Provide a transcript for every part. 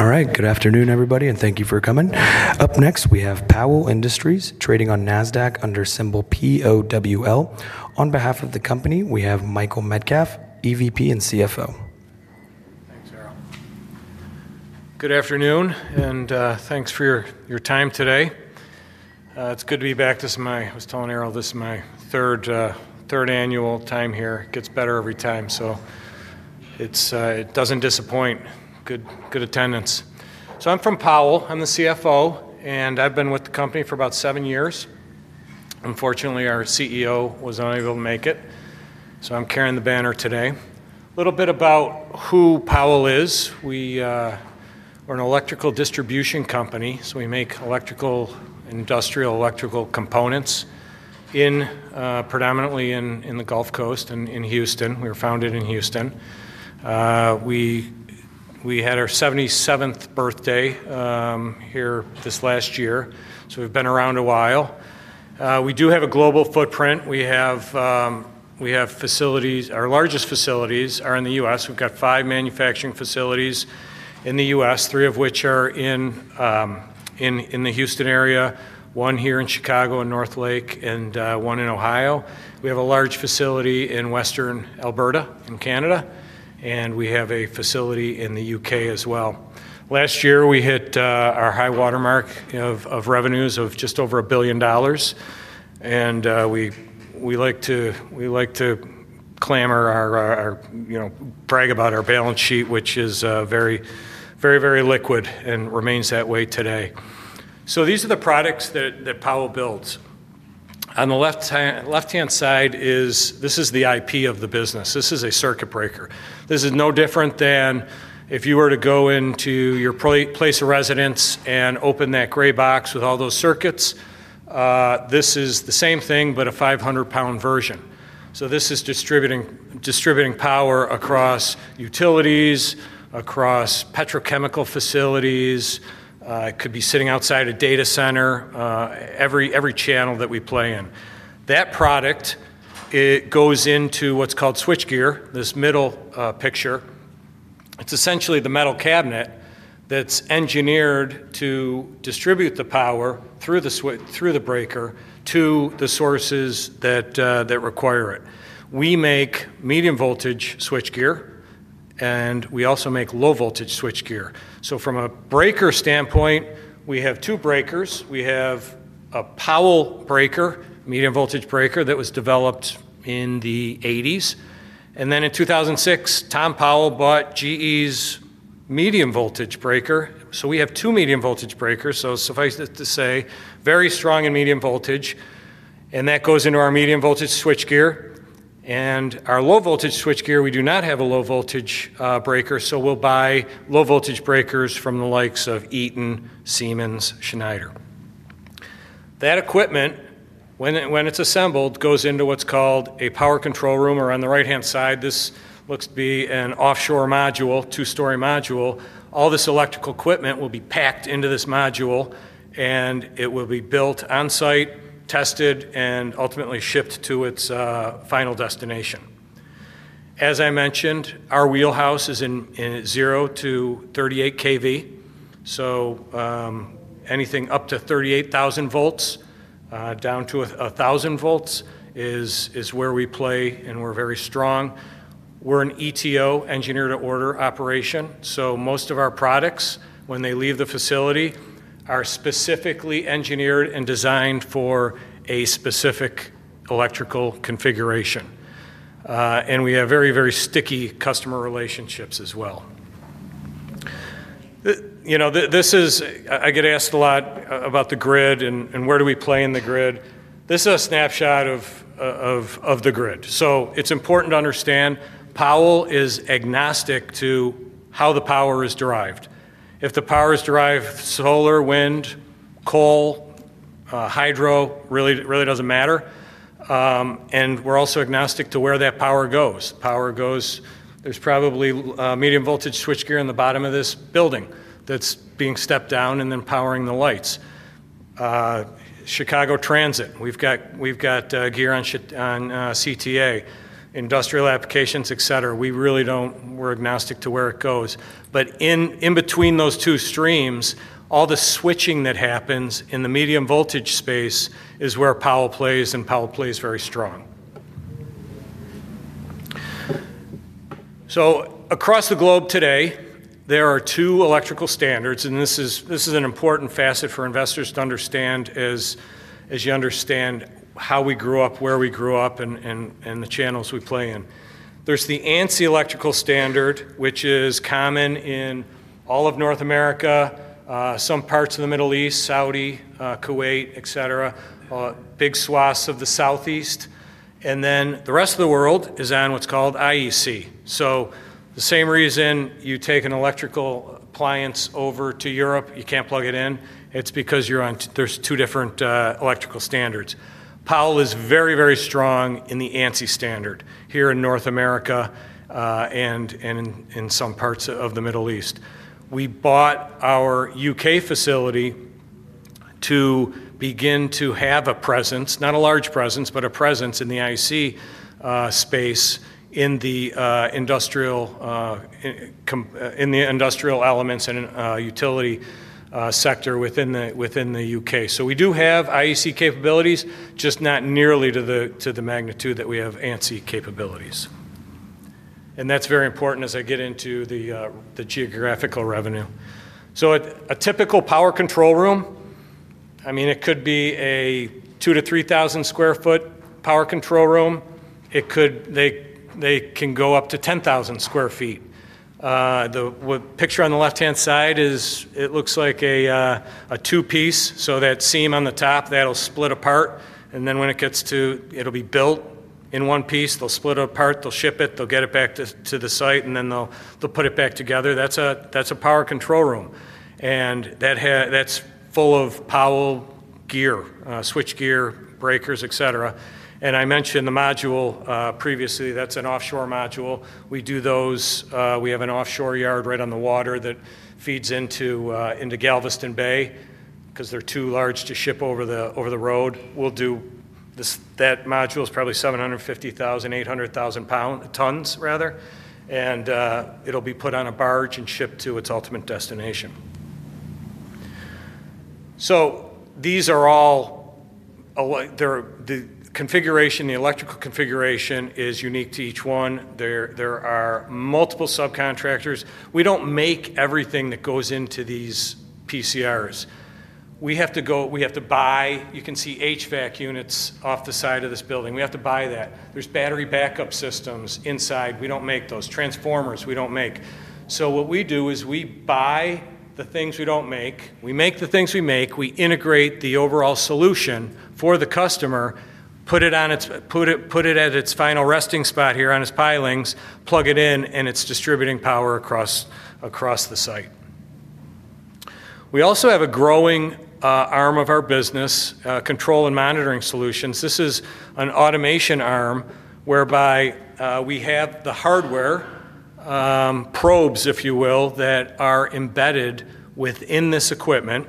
All right, good afternoon everybody and thank you for coming. Up next we have Powell Industries trading on NASDAQ under symbol POWL. On behalf of the company, we have Michael Metcalf, EVP and CFO. Thanks Errol. Good afternoon and thanks for your time today. It's good to be back. I was telling Errol this is my third annual time here, gets better every time, so it doesn't disappoint. Good attendance. I'm from Powell, I'm the CFO and I've been with the company for about seven years. Unfortunately, our CEO was unable to make it. I'm carrying the banner today. A little bit about who Powell is. We're an electrical distribution company. We make electrical, industrial, electrical components predominantly in the Gulf Coast in Houston. We were founded in Houston. We had our 77th birthday here this last year. We've been around a while. We do have a global footprint. We have facilities. Our largest facilities are in the U.S. We've got five manufacturing facilities in the U.S., three of which are in the Houston area, one here in Chicago in Northlake, and one in Ohio. We have a large facility in Western Alberta in Canada and we have a facility in the United Kingdom as well. Last year we hit our high watermark of revenues of just over $1 billion. We like to clamor, you know, brag about our balance sheet, which is very, very, very liquid and remains that way today. These are the products that Powell builds. On the left-hand side, this is the IP of the business. This is a circuit breaker. If you were to go into your place of residence and open that gray box with all those circuits, this is the same thing, but a 500 lbs version. This is distributing power across utilities, across petrochemical facilities. It could be sitting outside a data center. Every channel that we play in, that product goes into what's called switchgear, this middle picture. It's essentially the metal cabinet that's engineered to distribute the power through the breaker to the sources that require it. We make medium voltage switchgear and we also make low voltage switchgear. From a breaker standpoint, we have two breakers. We have a Powell breaker, medium voltage breaker that was developed in the 80s. In 2006, Tom Powell bought GE's medium voltage breaker. We have two medium voltage breakers. Suffice it to say, very strong in medium voltage. That goes into our medium voltage switchgear and our low voltage switchgear. We do not have a low voltage breaker, so we'll buy low voltage breakers from the likes of Eaton, Siemens, Schneider. That equipment, when it's assembled, goes into what's called a power control room or on the right hand side, this looks to be an offshore module, two story module. All this electrical equipment will be packed into this module and it will be built on site, tested and ultimately shipped to its final destination. As I mentioned, our wheelhouse is in 0-38 kV, so anything up to 38,000 V down to 1,000 V is where we play. We're very strong. We're an ETO engineer to order operation, so most of our products, when they leave the facility, are specifically engineered and designed for a specific electrical configuration. We have very, very sticky customer relationships as well. I get asked a lot about the grid and where do we play in the grid. This is a snapshot of the grid. It's important to understand Powell is agnostic to how the power is derived. If the power is derived solar, wind, coal, hydro, really doesn't matter. We're also agnostic to where that power goes. There's probably medium voltage switchgear on the bottom of this that's being stepped down and then powering the lights, Chicago transit, we've got gear on CTA, industrial applications, et cetera. We really don't, we're agnostic to where it goes. In between those two streams, all the switching that happens in the medium voltage space is where Powell plays. Powell plays very strong. Across the globe today, there are two electrical standards. This is an important facet for investors to understand as you understand how we grew up, where we grew up and the channels we play in. There's the ANSI electrical standard, which is common in all of North America, some parts of the Middle East, Saudi, Kuwait, big swaths of the Southeast. The rest of the world is on what's called IEC. The same reason you take an electrical appliance over to Europe, you can't plug it in, it's because you're on. There's two different electrical standards. Powell is very, very strong in the ANSI standard here in North America and in some parts of the Middle East. We bought our U.K. facility to begin to have a presence, not a large presence, but a presence in the IEC space, in the industrial elements and utility sector within the U.K. We do have IEC capabilities, just not nearly to the magnitude that we have ANSI capabilities, and that's very important as I get into the geographical revenue. A typical power control room, I mean it could be a 2,000-3,000 sq ft power control room. They can go up to 10,000 sq ft. The picture on the left-hand side looks like a two-piece, so that seam on the top, that'll split apart and then when it gets to, it'll be built in one piece, they'll split it apart, they'll ship it, they'll get it back to the site and then they'll put it back together. That's a power control room and that's full of Powell gear, switchgear, breakers, etc. I mentioned the module previously, that's an offshore module. We do those. We have an offshore yard right on the water that feeds into Galveston Bay. Because they're too large to ship over the road, we'll do this. That module is probably 750 tons and it'll be put on a barge and shipped to its ultimate destination. All the electrical configuration is unique to each one. There are multiple subcontractors. We don't make everything that goes into these PCRs. We have to buy, you can see HVAC units off the side of this building. We have to buy that. There are battery backup systems inside. We don't make those. Transformers we don't make. What we do is we buy the things we don't make, we make the things we make. We integrate the overall solution for the customer, put it at its final resting spot here on its pilings, plug it in, and it's distributing power across the site. We also have a growing arm of our business, control and monitoring solutions. This is an automation arm whereby we have the hardware probes, if you will, that are embedded within this equipment.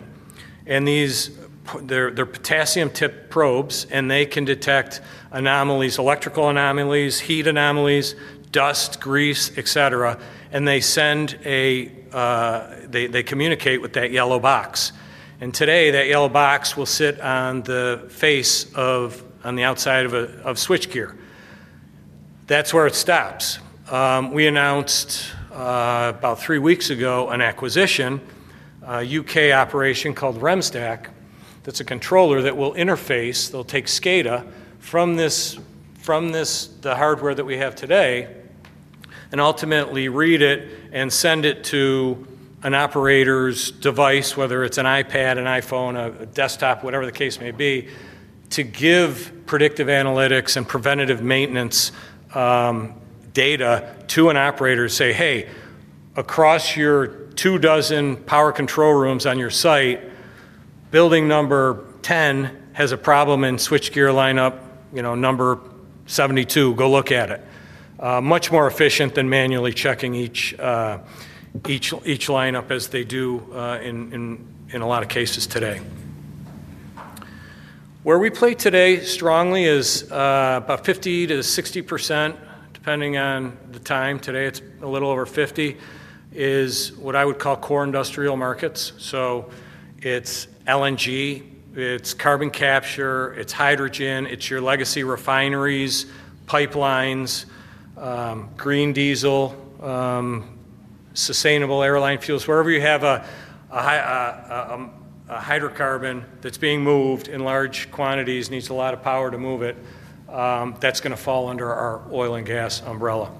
These are potassium-tipped probes and they can detect anomalies, electrical anomalies, heat anomalies, dust, grease, et cetera. They communicate with that yellow box. Today that yellow box will sit on the face of, on the outside of switchgear. That's where it stops. We announced about three weeks ago an acquisition, a U.K. operation called Remsdaq. That's a controller that will interface. They'll take SCADA from the hardware that we have today and ultimately read it and send it to an operator's device, whether it's an iPad, an iPhone, a desktop, whatever the case may be to give predictive analytics and preventative maintenance data to an operator. Say, hey, across your two dozen power control rooms on your site, building number 10 has a problem in switchgear lineup number 72, go look at it. Much more efficient than manually checking each lineup as they do in a lot of cases today. Where we play today strongly is about 50%-60% depending on the time. Today it's a little over 50% is what I would call core industrial markets. So it's LNG, it's carbon capture, it's hydrogen, it's your legacy refineries, pipelines, green diesel, sustainable airline fuels. Wherever you have a hydrocarbon that's being moved in large quantities, needs a lot of power to move it. That's going to fall under our oil and gas umbrella.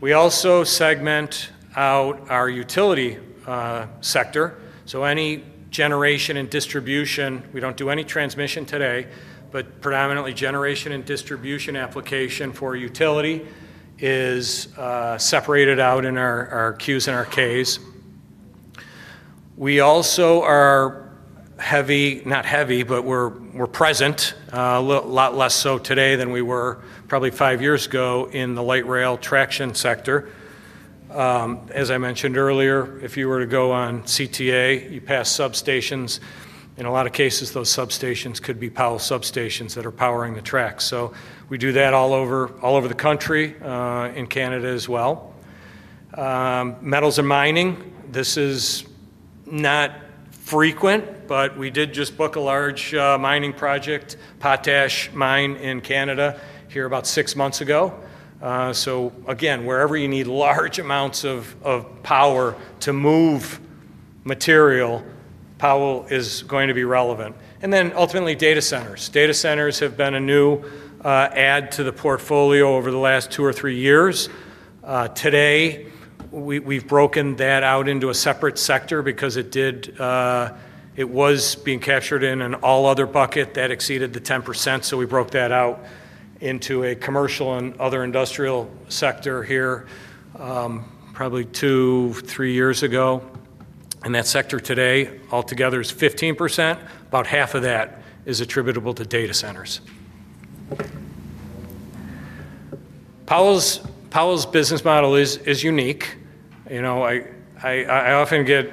We also segment out our utility sector. So any generation and distribution, we don't do any transmission today, but predominantly generation and distribution application for utility is separated out in our Qs and our Ks. We also are heavy, not heavy, but we're present a lot less so today than we were probably five years ago in the light rail traction sector. As I mentioned earlier, if you were to go on CTA, you pass substations. In a lot of cases those substations could be Powell substations that are powering the tracks. We do that all over the country. In Canada as well, metals and mining. This is not frequent, but we did just book a large mining project, potash mine in Canada here about six months ago. Wherever you need large amounts of power to move material, Powell is going to be relevant. Ultimately, data centers have been a new add to the portfolio over the last two or three years. Today we've broken that out into a separate sector because it was being captured in an all other bucket that exceeded the 10%. We broke that out into a commercial and other industrial sector here probably two, three years ago. That sector today altogether is 15%. About 1/2 of that is attributable to data centers. Powell's business model is unique. I often get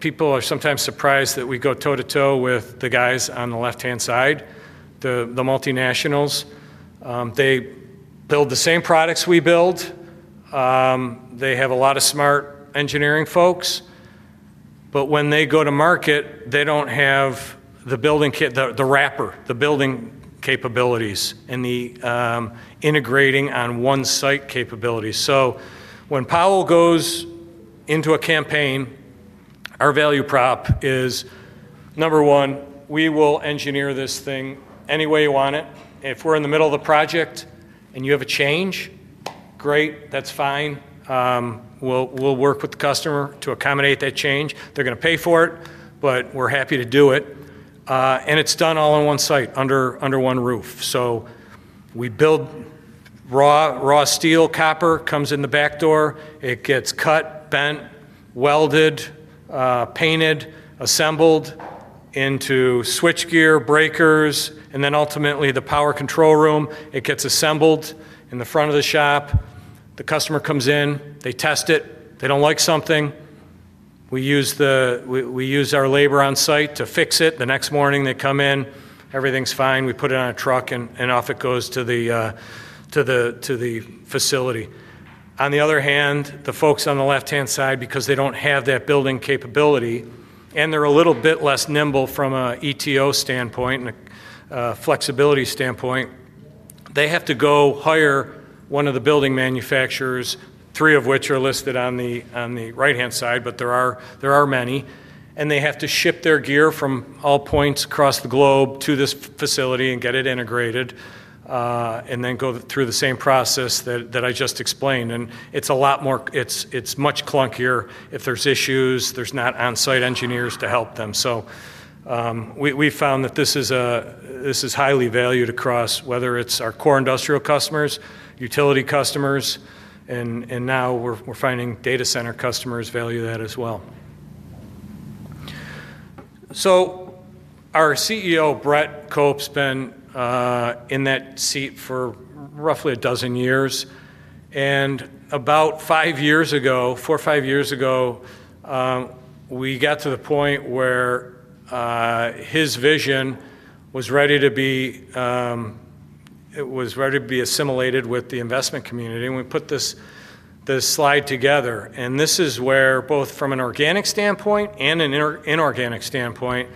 people are sometimes surprised that we go toe to toe with the guys on the left hand side, the multinationals, they build the same products we build. They have a lot of smart engineering folks, but when they go to market, they don't have the building kit, the wrapper, the building capabilities, and the integrating on one site capability. When Powell goes into a campaign, our value prop is number one. We will engineer this thing any way you want it. If we're in the middle of the project and you have a change, great, that's fine. We'll work with the customer to accommodate that change. They're going to pay for it, but we're happy to do it. It's done all in one site, under one roof. We build raw steel, copper comes in the back door, it gets cut, bent, welded, painted, assembled into switchgear breakers, and then ultimately the power control room. It gets assembled in the front of the shop. The customer comes in, they test it, they don't like something, we use our labor on site to fix it. The next morning they come in, everything's fine, we put it on a truck and off it goes to the facility. On the other hand, the folks on the left-hand side, because they don't have that building capability and they're a little bit less nimble from an engineered-to-order standpoint and a flexibility standpoint, they have to go hire one of the building manufacturers, three of which are listed on the right-hand side, but there are many. They have to ship their gear from all points across the globe to this facility and get it integrated and then go through the same process that I just explained. It's a lot more, it's much clunkier. If there's issues, there's not on-site engineers to help them. We found that this is highly valued across whether it's our core industrial customers, utility customers, and now we're finding data center customers value that as well. Our CEO Brett Cope's been in that seat for roughly a dozen years. About five years ago, four or five years ago, we got to the point where his vision was ready to be assimilated with the investment community. We put this slide together and this is where both from an organic standpoint and an inorganic standpoint,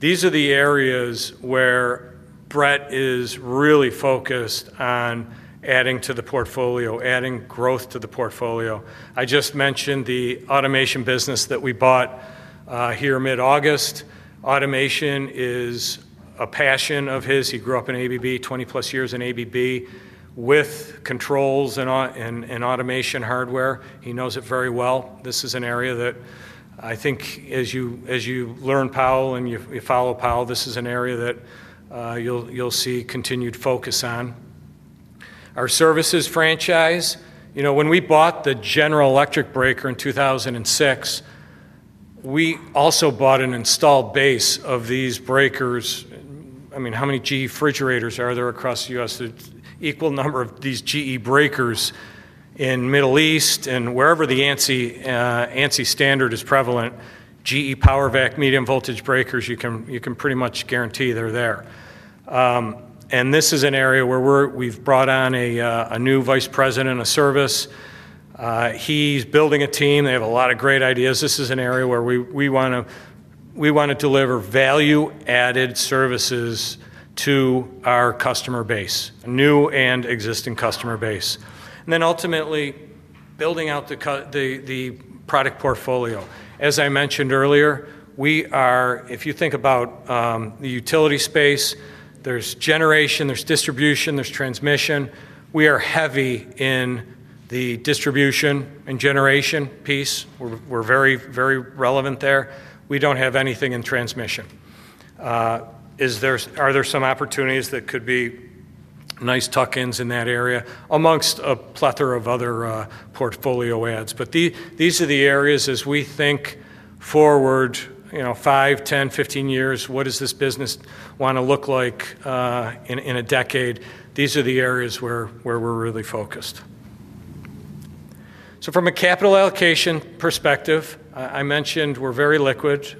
these are the areas where Brett is really focused on adding to the portfolio, adding growth to the portfolio. I just mentioned the automation business that we bought here mid-August. Automation is a passion of his. He grew up in ABB, 20+ years in ABB with controls and automation hardware. He knows it very well. This is an area that I think as you learn Powell and you follow Powell, this is an area that you'll see continued focus on our services franchise. When we bought the General Electric breaker in 2006, we also bought an installed base of these breakers. I mean, how many GE refrigerators are there across the U.S.? Equal number of these GE breakers in Middle East and wherever the ANSI electrical standard is prevalent. GE PowerVac medium voltage breakers, you can pretty much guarantee they're there. This is an area where we've brought on a new Vice President of Service. He's building a team. They have a lot of great ideas. This is an area where we want to deliver value-added services to our customer base, new and existing customer base, and then ultimately building out the product portfolio. As I mentioned earlier, if you think about the utility space, there's generation, there's distribution, there's transmission. We are heavy in the distribution and generation piece. We're very, very relevant there. We don't have anything in transmission. Are there some opportunities that could be nice tuck-ins in that area amongst a plethora of other portfolio adds? These are the areas as we think forward 5, 10, 15 years, what does this business want to look like in a decade? These are the areas where we're really focused. From a capital allocation perspective, I mentioned we're very liquid.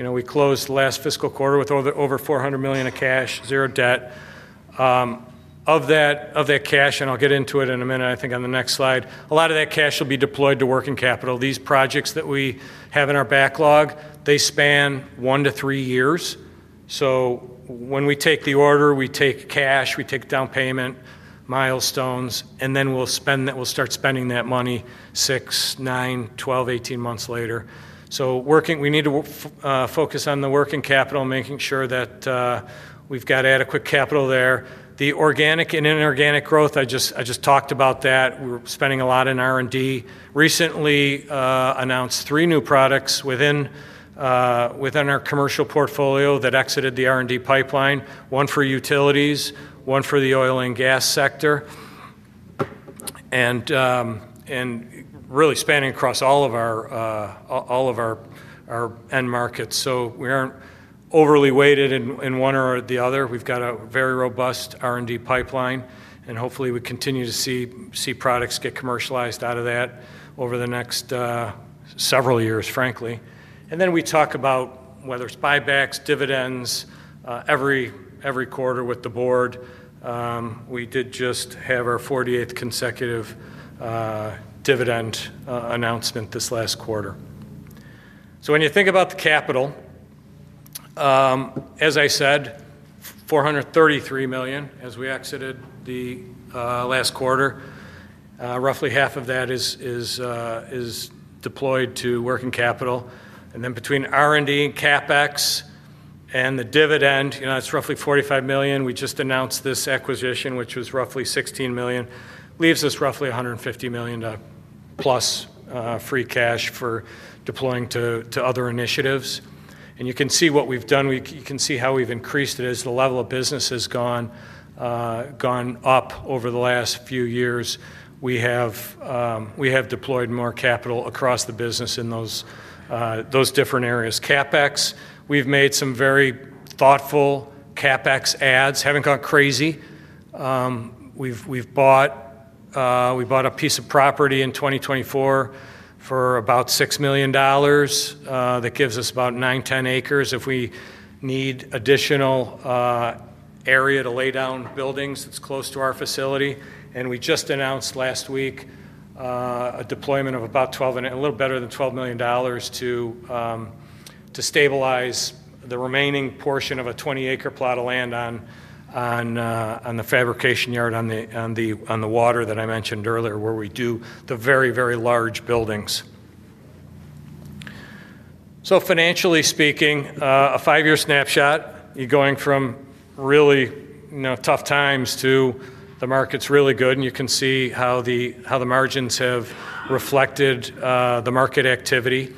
We closed last fiscal quarter with over $400 million of cash, $0 debt. Of that cash, and I'll get into it in a minute, I think on the next slide, a lot of that cash will be deployed to working capital. These projects that we have in our backlog, they span one to three years. When we take the order, we take cash, we take down payment milestones, and then we'll spend that, we'll start spending that money 6, 9, 12, 18 months later. We need to focus on the working capital, making sure that we've got adequate capital there. The organic and inorganic growth, I just talked about that. We were spending a lot in R&D. Recently announced three new products within our commercial portfolio that exited the R&D pipeline, one for utilities, one for the oil and gas sector, and really spanning across all of our end markets. We aren't overly weighted in one or the other. We've got a very robust R&D pipeline, and hopefully we continue to see products get commercialized out of that over the next several years, frankly. We talk about whether it's buybacks, dividends every quarter with the board. We did just have our 48th consecutive dividend announcement this last quarter. When you think about the capital, as I said, $433 million as we exited the last quarter, roughly 1/2 of that is deployed to working capital. Between R&D, CapEx, and the dividend, it's roughly $45 million. We just announced this acquisition, which was roughly $16 million, leaves us roughly $150 million plus free cash for deploying to other initiatives. You can see what we've done, you can see how we've increased it as the level of business has gone up over the last few years. We have deployed more capital across the business in those different areas. CapEx, we've made some very thoughtful CapEx adds, haven't gone crazy. We bought a piece of property in 2024 for about $6 million. That gives us about 9, 10 acres if we need additional area to lay down buildings that's close to our facility. We just announced last week a deployment of about $12 million, a little better than $12 million, to stabilize the remaining portion of a 20-acre plot of land on the fabrication yard on the water that I mentioned earlier where we do the very, very large buildings. Financially speaking, a five-year snapshot. You're going from really tough times to the market's really good. You can see how the margins have reflected the market activity.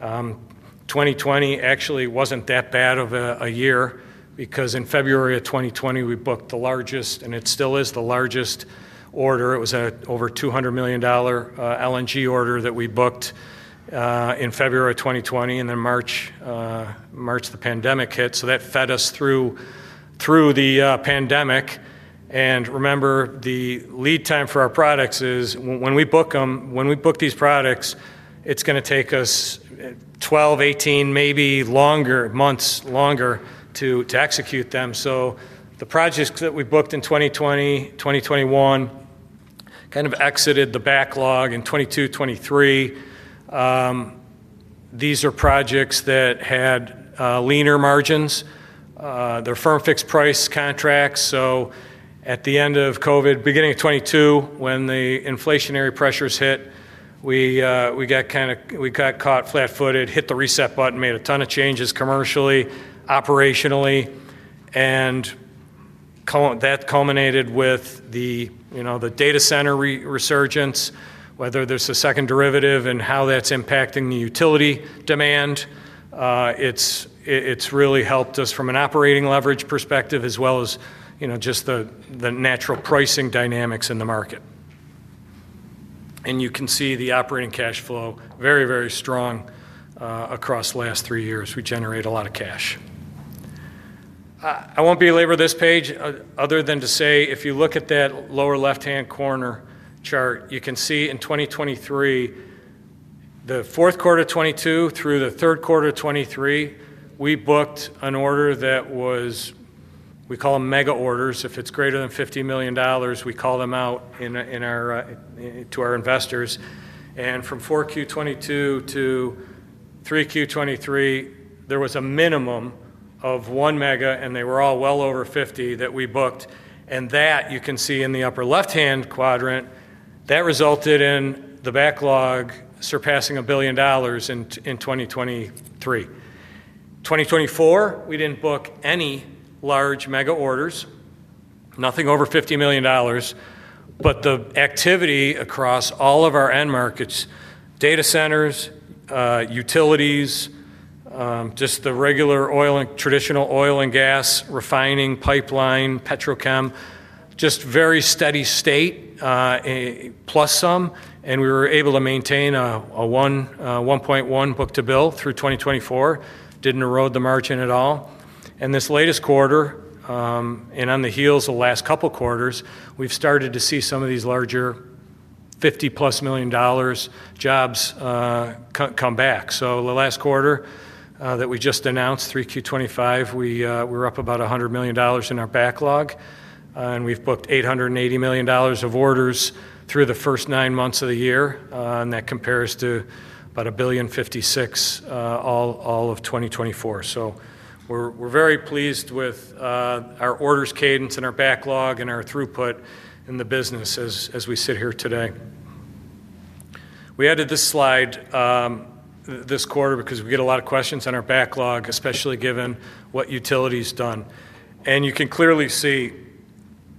2020 actually wasn't that bad of a year because in February of 2020 we booked the largest, and it still is the largest order. It was over $200 million LNG order that we booked in February 2020 and then March, the pandemic hit. That fed us through the pandemic and remember the lead time for our products is when we book them, when we book these products, it's going to take us 12, 18, maybe longer months to execute them. The projects that we booked in 2020, 2021 kind of exited the backlog in 2022, 2023. These are projects that had leaner margins. They're firm fixed price contracts. At the end of COVID, beginning of 2022, when the inflationary pressures hit, we got caught flat footed, hit the reset button, made a ton of changes commercially, operationally, and that culminated with the data center resurgence. Whether there's a second derivative and how that's impacting the utility demand, it's really helped us from an operating leverage perspective as well as just the natural pricing dynamics in the market. You can see the operating cash flow very, very strong across last three years, we generate a lot of cash. I won't belabor this page other than to say if you look at that lower left hand corner chart, you can see in 2023, the fourth quarter 2022 through the third quarter 2023, we booked an order that was, we call them mega orders. If it's greater than $50 million, we call them out to our investors and from 4Q22 to 3Q23, there was a minimum of 1 mega and they were all well over $50 million that we booked and that you can see in the upper left hand quadrant. That resulted in the backlog surpassing $1 billion in 2023. In 2024, we didn't book any large mega orders, nothing over $50 million. The activity across all of our end markets, data centers, utilities, just the regular traditional oil and gas refining pipeline, petrochem, just very steady state plus some and we were able to maintain a 1.1 book-to-bill through 2024, didn't erode the margin at all. This latest quarter and on the heels of last couple quarters, we've started to see some of these larger $50 million+ jobs come back. The last quarter that we just announced, 3Q25, we were up about $100 million in our backlog and we've booked $880 million of orders through the first nine months of the year and that compares to about $1.056 billion all of 2024. We're very pleased with our orders cadence and our backlog and our throughput in the business. As we sit here today, we added this slide this quarter because we get a lot of questions on our backlog, especially given what utility's done. You can clearly see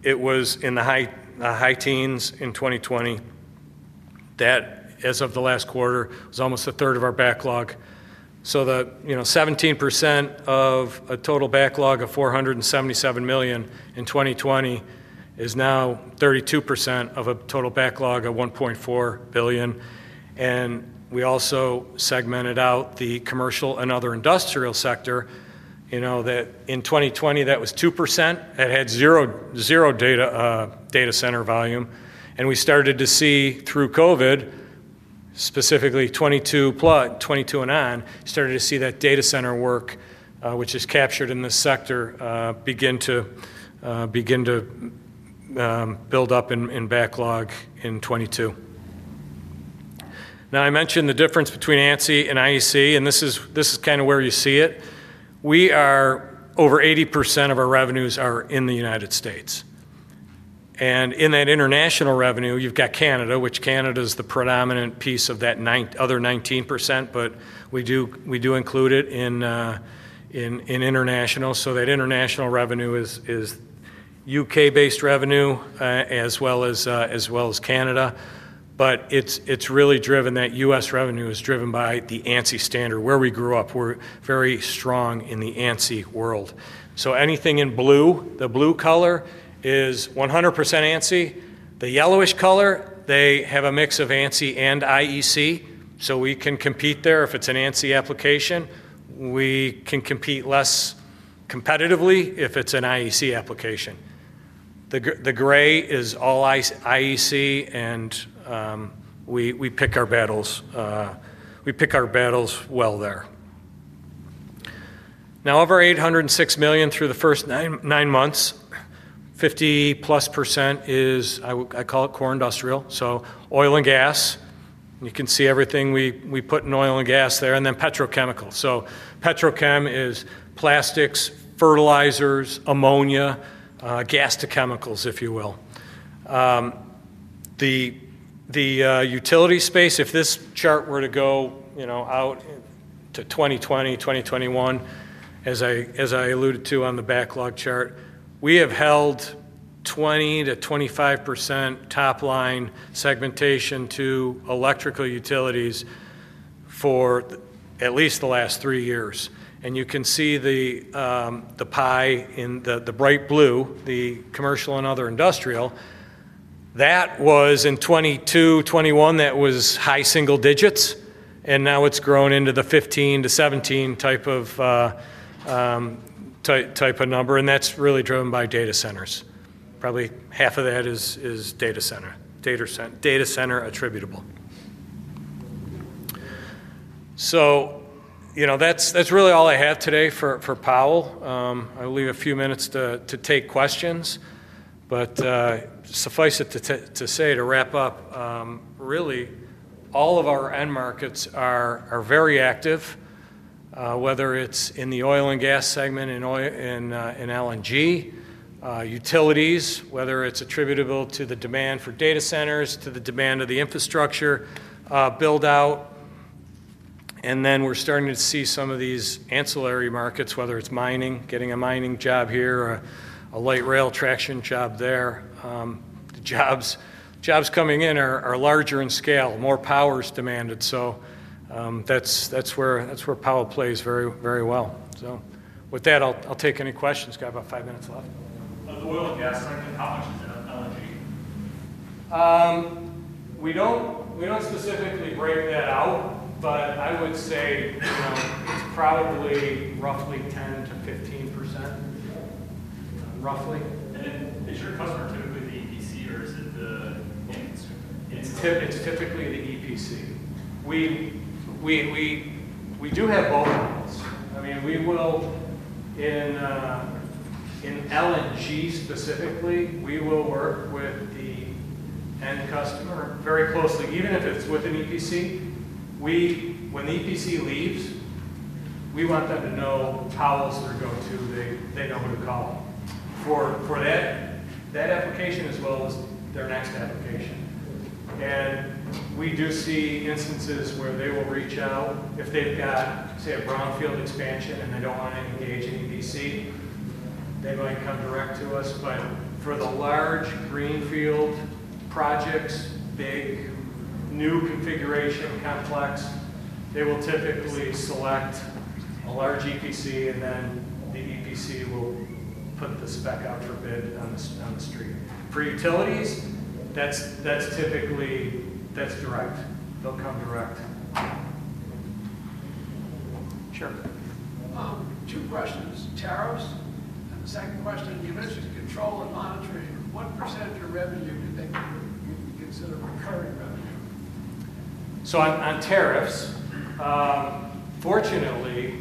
it was in the high teens in 2020 that as of the last quarter was almost a third of our backlog. The 17% of a total backlog of $477 million in 2020 is now 32% of a total backlog of $1.4 billion. We also segmented out the commercial and other industrial sector. In 2020 that was 2% that had $0 data center volume. We started to see through COVID specifically 2022 plus 2022 and on started to see that data center work which is captured in the sector begin to build up in backlog in 2022. I mentioned the difference between ANSI and IEC and this is, this is kind of where you see it. We are over 80% of our revenues are in the United States. In that international revenue, you've got Canada, which Canada is the predominant piece of that other 19%. We do include it in international. That international revenue is U.K.-based revenue as well as Canada, but it's really driven. That U.S. revenue is driven by the ANSI electrical standard. Where we grew up, we're very strong in the ANSI world. Anything in blue, the blue color is 100% ANSI. The yellowish color, they have a mix of ANSI and IEC. We can compete there if it's an ANSI application. We can compete less competitively if it's an IEC application. The gray is all IEC, and we pick our battles. We pick our battles well. There's now over $806 million through the first nine months. 50%+ is, I call it, core industrial. Oil and gas, you can see everything we put in oil and gas there, and then petrochemicals. Petrochem is plastics, fertilizers, ammonia, gas to chemicals, if you will. The utility space, if this chart were to go out to 2020, 2021, as I alluded to on the backlog chart, we have held 20%-25% top line segmentation to electrical utilities for at least the last three years. You can see the pie in the bright blue. The commercial and other industrial, that was in 2021, that was high single digits, and now it's grown into the 15%-17% type of number. That's really driven by data centers. Probably 1/2 of that is data center attributable. That's really all I have today for Powell. I'll leave a few minutes to take questions, but suffice it to say, to wrap up, really, all of our end markets are very active. Whether it's in the oil and gas segment, in LNG, utilities, whether it's attributable to the demand for data centers, to the demand of the infrastructure build out. We're starting to see some of these ancillary markets, whether it's mining, getting a mining job here, a light rail traction job there. The jobs coming in are larger in scale, more power is demanded. That's where Powell plays very, very well. With that, I'll take any questions. Got about five minutes left. Oil and gas, We don't specifically grade that out, but I would say it's probably roughly 10%-15%. Roughly. Is your customer typically the EPC or is it the— It's typically the EPC. We do have both of those. In LNG specifically, we will work with the end customer very closely, even if it's with an EPC. When the EPC leaves, we want them to know Powell, they're going to, they know who to call for that application as well as their next application. We do see instances where they will reach out if they've got, say, a brownfield expansion and they don't want to engage an EPC, they might come direct to us. For the large greenfield projects, big new configuration, complex, they will typically select a large EPC and then the EPC will put the spec out for bid on the street. For utilities, that's typically direct. They'll come direct. Two questions, tariffs. Second question, the ability to control and monitoring, what percentage of your revenue did they and you consider. So on tariffs, fortunately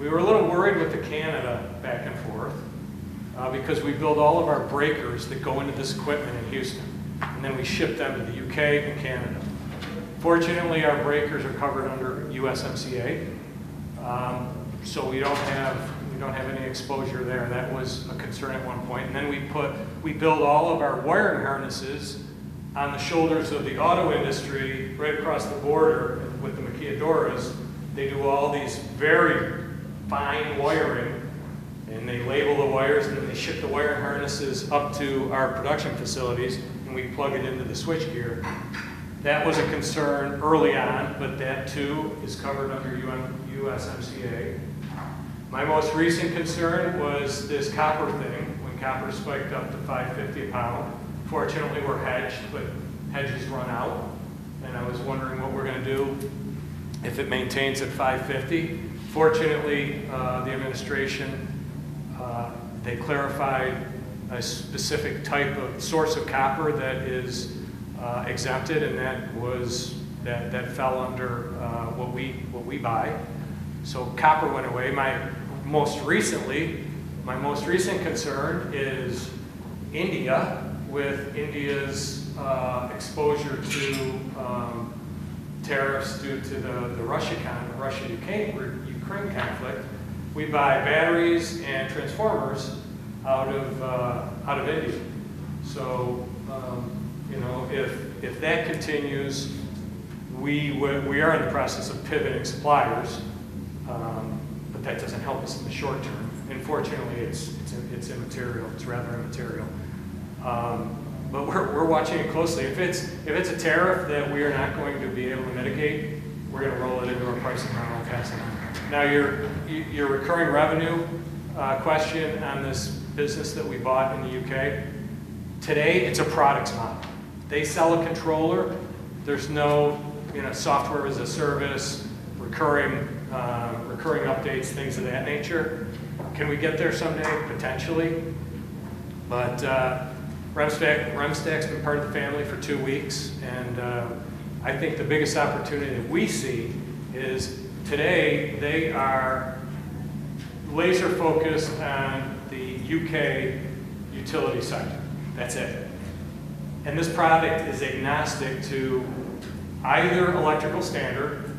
we were a little worried with the Canada back and forth because we build all of our breakers that go into this equipment in Houston and then we ship them to the United Kingdom and Canada. Fortunately, our breakers are covered under USMCA, so we don't have any exposure there. That was a concern at one point. We build all of our wiring harnesses on the shoulders of the auto industry right across the border with the maquiladoras. They do all these very fine wiring and they label the wires and then they ship the wiring harnesses up to our production facilities and we plug it into the switchgear. That was a concern early on, but that too is covered under USMCA. My most recent concern was this copper thing. When copper spiked up to $5.50 a pound, fortunately we're hedged, but hedges run out and I was wondering what we're going to do if it maintains at $5.50. Fortunately, the administration clarified a specific type of source of copper that is exempted and that was that. That fell under what we call what we buy. So copper went away. My most recent concern is India, with India's exposure to tariffs due to the Russia-Ukraine conflict. We buy batteries and transformers out of India. In August, if that continues, we are in the process of pivoting suppliers, but that doesn't help us in the short term, unfortunately. It's immaterial. It's rather immaterial, but we're watching it closely. If it's a tariff that we are not going to be able to mitigate, we're going to roll it into our price of mile and pass it on. Now, your recurring revenue question on this business that we bought in the United Kingdom. Today, it's a product model. They sell a controller. There's no software as a service. Recurring updates, things of that nature. Can we get there someday? Potentially. Remsdaq's been part of the family for two weeks and I think the biggest opportunity that we see is today they are laser focused on the U.K. utility side. That's it. This product is agnostic to either electrical standard,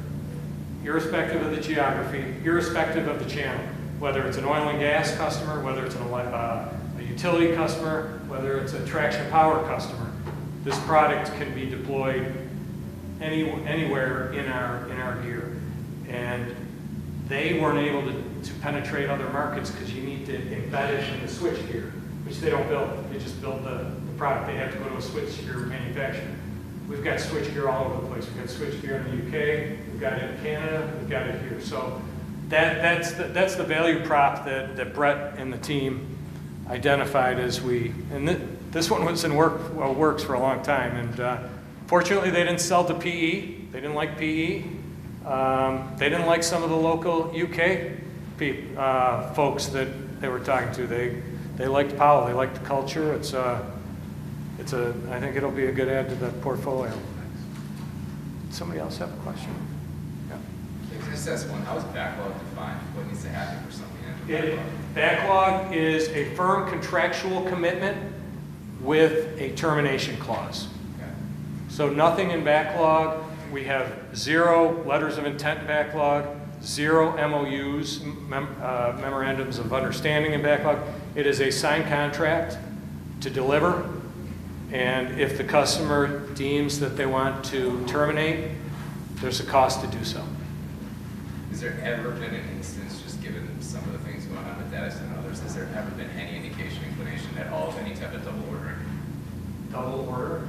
irrespective of the geography, irrespective of the channel, whether it's an oil and gas customer, whether it's a utility customer, whether it's a traction power customer. This product can be deployed anywhere in our gear. They weren't able to penetrate other markets because you need to embed it in switchgear, which they don't build, they just build the product. They have to go to a switchgear manufacturer. We've got switchgear all over the place. We've got switchgear in the U.K., we've got Atlanta, we've got it here. That's the value prop that Brett and the team identified. This one was in the works for a long time and fortunately they didn't sell to PE. They didn't like PE. They didn't like some of the local U.K. folks that they were talking to. They liked Powell, they liked the culture. I think it'll be a good add to the portfolio. Somebody else have a question? Backlog is a firm contractual commitment with a termination clause. Nothing in backlog. We have zero letters of intent in backlog, zero MoUs, memorandums of understanding, in backlog. It is a signed contract to deliver and if the customer deems that they want to terminate, there's a cost to do something. Is there an organic instance? Just given some of the things going on with Dennis and others? There hasn't been any indication or explanation at all to any type of double order. Double order?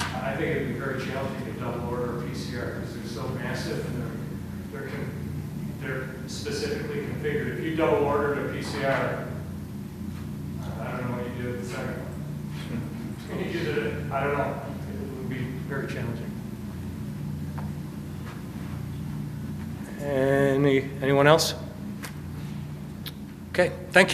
I think it'd be very jealous if you could double order a PCR because they're so massive and then they're specifically configured. If you double ordered a PCR, I don't know what you do. I don't know. It would be very challenging. Anyone else? Okay, thank you.